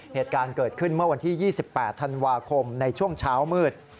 เหตุการณ์เกิดขึ้นเมื่อวันที่๒๘ธันวาคมในช่วงเช้ามืด